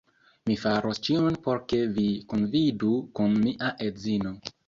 Mi faros ĉion por ke vi kunvidu kun mia edzino